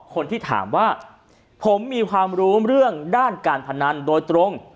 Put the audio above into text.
คนที่ถามว่าผมมีความรู้เรื่องด้านการพนันโดยตรง